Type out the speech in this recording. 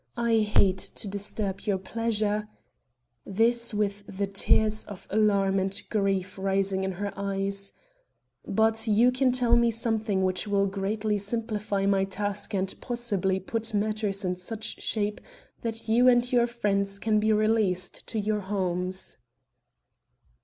I hate to disturb your pleasure " (this with the tears of alarm and grief rising in her eyes) "but you can tell me something which will greatly simplify my task and possibly put matters in such shape that you and your friends can be released to your homes."